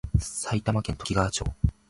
埼玉県ときがわ町